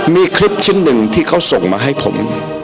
มีคลิปชิ้นหนึ่งที่เขาส่งมาให้ผม